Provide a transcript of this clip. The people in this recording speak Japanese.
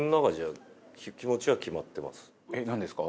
えっなんですか？